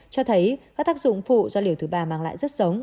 cho thấy các tác dụng phụ do liều thứ ba mang lại rất sống